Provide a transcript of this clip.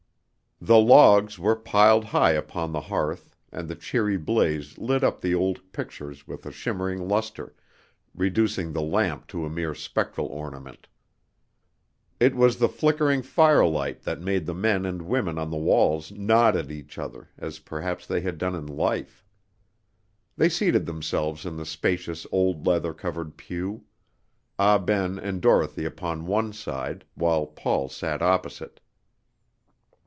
The logs were piled high upon the hearth, and the cheery blaze lit up the old pictures with a shimmering lustre, reducing the lamp to a mere spectral ornament. It was the flickering firelight that made the men and women on the walls nod at each other, as perhaps they had done in life. They seated themselves in the spacious old leather covered pew; Ah Ben and Dorothy upon one side, while Paul sat opposite.